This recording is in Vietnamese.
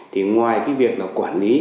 thì ngoài cái việc quản lý